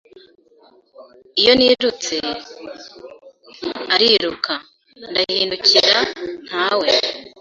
iyo nirutse, ariruka. Ndahindukira: ntawe.